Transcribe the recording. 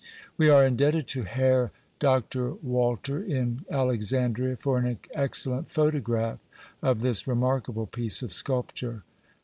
We are indebted to Herr Dr. Walther, in Alexandria, for an excellent photograph of this remarkable piece of sculpture.